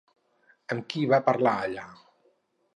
Amb qui va parlar, allà?